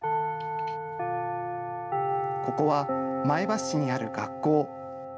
ここは前橋市にある学校。